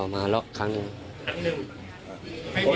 อ๋อมาแล้วครั้งหนึ่งครั้งหนึ่ง